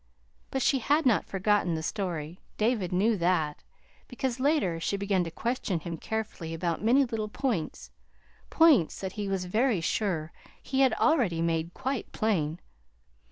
But she had not forgotten the story. David knew that, because later she began to question him carefully about many little points points that he was very sure he had already made quite plain.